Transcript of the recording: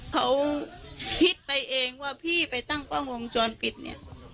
เขาคิดไปเองว่าพี่ไปตั้งกล้องวงจรปิดเนี่ย